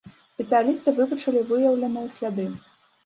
Спецыялісты вывучылі выяўленыя сляды.